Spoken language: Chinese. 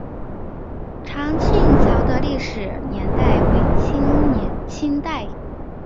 长庆桥的历史年代为清代。